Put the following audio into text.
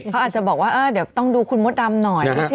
เขาอาจจะบอกว่าเดี๋ยวต้องดูคุณมดดำหน่อย